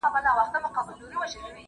سپین سرې په خپله ملا لاسونه نیولي وو.